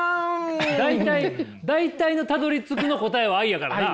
大体大体のたどりつくの答えは愛やからな！